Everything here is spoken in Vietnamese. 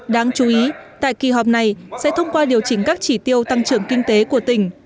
đáng chú ý tại kỳ họp này sẽ thông qua điều chỉnh các chỉ tiêu tăng trưởng kinh tế của tỉnh